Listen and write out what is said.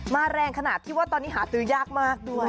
แรงขนาดที่ว่าตอนนี้หาซื้อยากมากด้วย